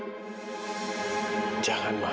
sebagai keadaan orang cu ants